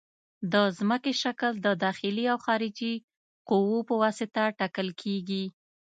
د ځمکې شکل د داخلي او خارجي قوو په مرسته ټاکل کیږي